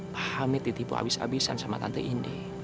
pak hamid ditipu habis habisan sama tante indi